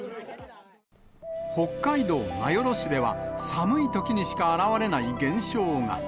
北海道名寄市では、寒いときにしか現れない現象が。